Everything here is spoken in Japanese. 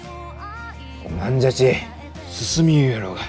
おまんじゃち進みゆうろうが。